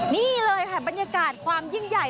นี่เลยค่ะบรรยากาศความยิ่งใหญ่